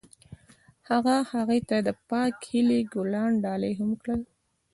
هغه هغې ته د پاک هیلې ګلان ډالۍ هم کړل.